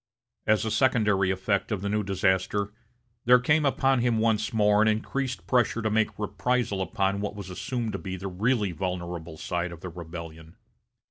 As a secondary effect of the new disaster, there came upon him once more an increased pressure to make reprisal upon what was assumed to be the really vulnerable side of the rebellion.